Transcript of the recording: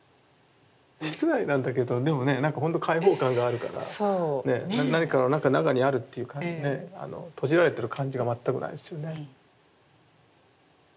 室内なんだけどでもねなんかほんと開放感があるから何かのなんか中にあるっていうかね閉じられてる感じが全くないですよね。